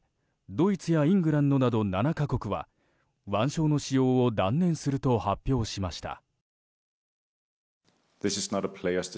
ドイツやイングランドなど７か国は腕章の使用を断念すると発表しました。